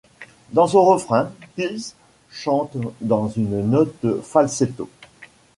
Dans son refrain, Kills chante dans une note falsetto.